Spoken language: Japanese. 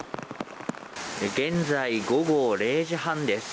現在、午後０時半です。